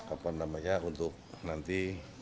apa namanya untuk nanti